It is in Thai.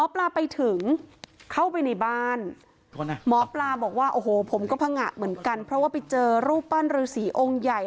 คุณปุ้ยอายุ๓๒นางความร้องไห้พูดคนเดี๋ยว